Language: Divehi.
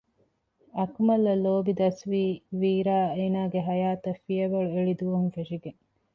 އަކުމަލްއަށް ލޯބި ދަސްވީ ވީރާ އޭނާގެ ހަޔާތަށް ފިޔަވަޅުއެޅި ދުވަހުން ފެށިގެން